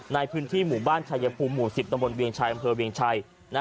ในพื้นที่หมู่บ้านชายภูมิหมู่๑๐ตำบลเวียงชัยอำเภอเวียงชัย